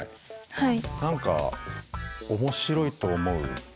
はい。